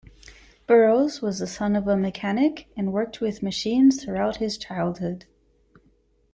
Burroughs was the son of a mechanic and worked with machines throughout his childhood.